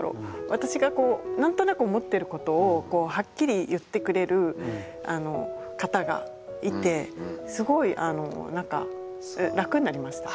私がこう何となく思ってることをこうはっきり言ってくれる方がいてすごいあの何か楽になりました。